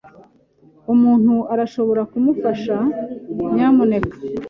Umuntu arashobora kumfasha, nyamuneka?